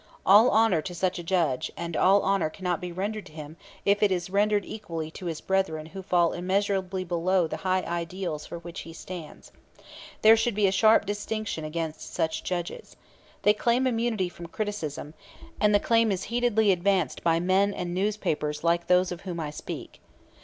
All honor to such a judge; and all honor cannot be rendered him if it is rendered equally to his brethren who fall immeasurably below the high ideals for which he stands. There should be a sharp discrimination against such judges. They claim immunity from criticism, and the claim is heatedly advanced by men and newspapers like those of whom I speak.